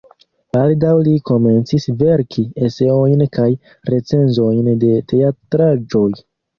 Baldaŭ li komencis verki eseojn kaj recenzojn de teatraĵoj.